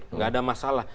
tidak ada masalah